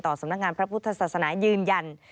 สำนักงานพระพุทธศาสนายืนยัน